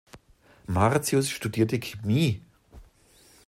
Martius studierte Chemie.